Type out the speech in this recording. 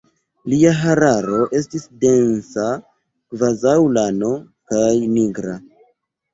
Lia hararo estis densa kvazaŭ lano, kaj nigra.